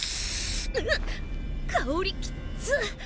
うっ香りきっつ。